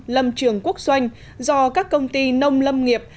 lâm trường quốc doanh do các công ty nông lâm nghiệp